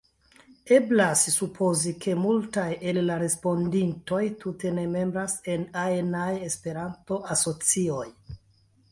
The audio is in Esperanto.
Eblas supozi, ke multaj el la respondintoj tute ne membras en ajnaj Esperanto-asocioj.